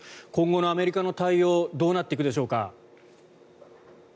今後のアメリカの対応どうなっていくでしょうか？